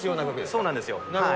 そうなんですよ。